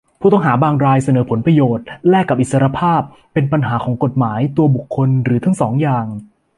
ผู้ต้องหาบางรายเสนอผลประโยชน์แลกกับอิสรภาพ เป็นปัญหาของกฎหมาย ตัวบุคคล หรือทั้งสองอย่าง